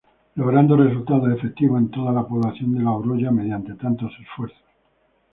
Logrando resultados efectivos en toda la población de La Oroya mediante tantos esfuerzos.